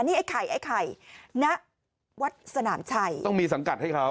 นี่ไอ้ไข่ไอ้ไข่ณวัดสนามชัยต้องมีสังกัดให้เขา